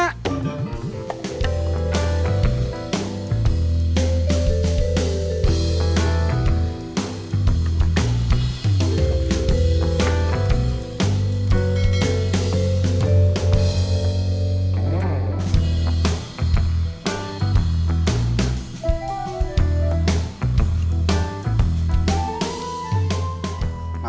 pak buat dulu yuk